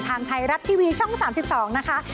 ทางไทยรัฐทีวีช่อง๓๒นะคะ